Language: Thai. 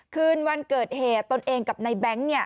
คืนวันเกิดเหตุตนเองกับในแบงค์